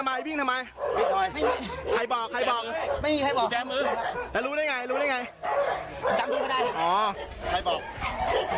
จำพี่ก็ได้ใครบอกจำพี่เขาใครบอก